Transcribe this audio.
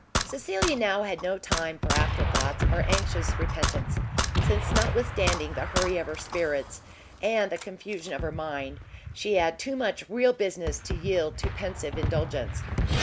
Cecilia now had no time for afterthoughts or anxious repentance, since notwithstanding the hurry of her spirits, and the confusion of her mind, she had too much real business, to yield to pensive indulgence.